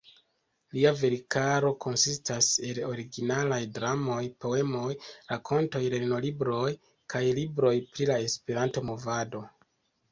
Lia verkaro konsistas el originalaj dramoj, poemoj, rakontoj, lernolibroj kaj libroj pri la Esperanto-movado.